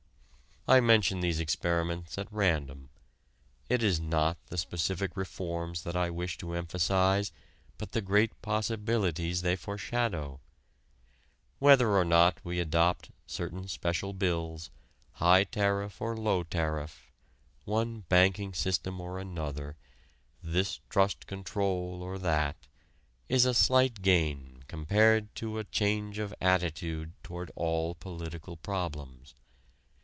I mention these experiments at random. It is not the specific reforms that I wish to emphasize but the great possibilities they foreshadow. Whether or not we adopt certain special bills, high tariff or low tariff, one banking system or another, this trust control or that, is a slight gain compared to a change of attitude toward all political problems.